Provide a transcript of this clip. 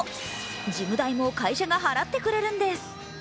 ジム代も会社が払ってくれるんです。